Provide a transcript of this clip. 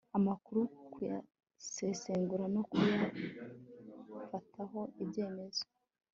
amakuru kuyasesengura no kuyafataho ibyemezo